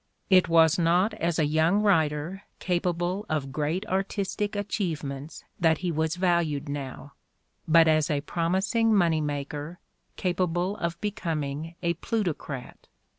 It was not as a young writer capable of great artistic achievements that he was valued now, but as a promising money maker capable of becoming a plutocrat.